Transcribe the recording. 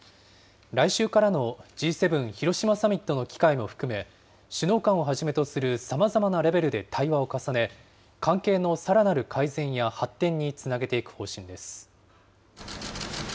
来週からのＧ７広島サミットの機会も含め、首脳間をはじめとするさまざまなレベルで対話を重ね、関係のさらなる改善や発展につなげていく方針です。